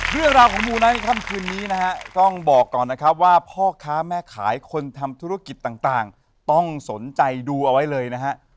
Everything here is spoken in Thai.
เรื่องราวของมูไนท์ค่ำคืนนี้นะฮะต้องบอกก่อนนะครับว่าพ่อค้าแม่ขายคนทำธุรกิจต่างต้องสนใจดูเอาไว้เลยนะฮะ